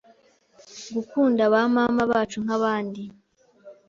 Gukunda ba mama bacu, nkabandi.